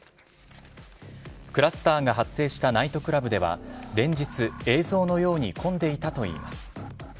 クラスターが発生したナイトクラブでは、連日、映像のように混んでいたといいます。